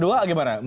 kubur dua gimana